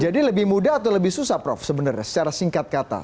jadi lebih mudah atau lebih susah prof sebenarnya secara singkat kata